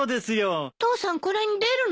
父さんこれに出るの？